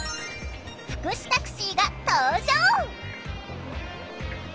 福祉タクシーが登場！